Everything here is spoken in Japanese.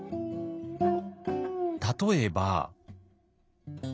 例えば。